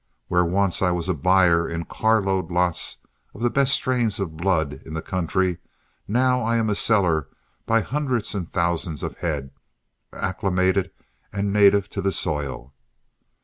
Where once I was a buyer in carload lots of the best strains of blood in the country, now I am a seller by hundreds and thousands of head, acclimated and native to the soil.